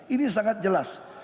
ini sangat jelas